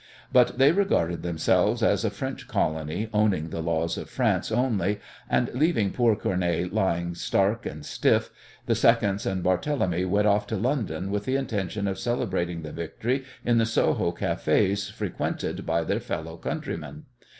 But they regarded themselves as a French colony owning the laws of France only, and, leaving poor Cournet lying stark and stiff, the seconds and Barthélemy went off to London with the intention of celebrating the victory in the Soho Cafés frequented by their fellow countrymen.